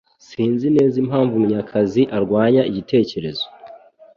Sinzi neza impamvu Munyakazi arwanya igitekerezo